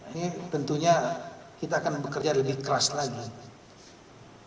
ini tentunya kita akan bekerja lebih keras lagi